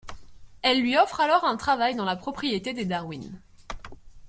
Elle lui offre alors un travail dans la propriété des Darwin.